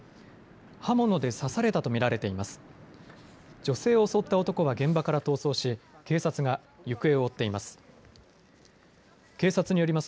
刃物で刺されたと見られています。